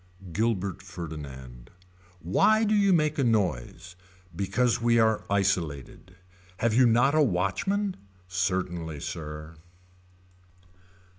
Gilbert Ferdinand. Why do you make a noise. Because we are isolated. Have you not a watchman. Certainly sir.